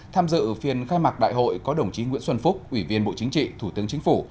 tham dự phiên khai mạc đại hội có đồng chí nguyễn xuân phúc ủy viên bộ chính trị thủ tướng chính phủ